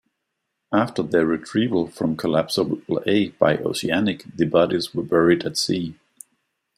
After their retrieval from Collapsible A by "Oceanic", the bodies were buried at sea.